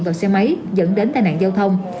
vào xe máy dẫn đến tài nạn giao thông